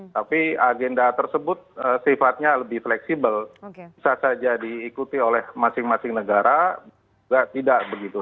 tapi agenda tersebut sifatnya lebih fleksibel bisa saja diikuti oleh masing masing negara juga tidak begitu